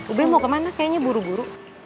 ube mau kemana kayaknya buru buru